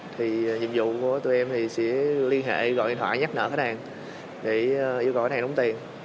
thì nhiệm vụ của tụi em thì sẽ liên hệ gọi điện thoại nhắc nhở khách hàng để yêu cầu khách đóng tiền